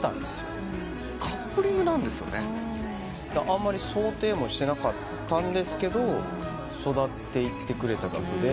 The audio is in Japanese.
あんまり想定もしてなかったんですけど育っていってくれた曲で。